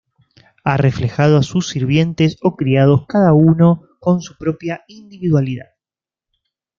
Ha reflejado a sus sirvientes o criados, cada uno con su propia individualidad.